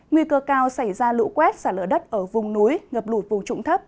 nguy cơ cao xảy ra lũ quét xả lỡ đất ở vùng núi ngập lụt vùng trụng thấp